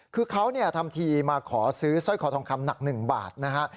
คือเขาทำทีมาขอซื้อสร้อยคอทองคำหนัก๑บาทนะฮะ